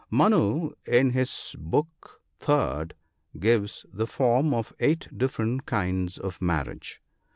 — Manu, in his Book III., gives the form of eight different kinds of marriage.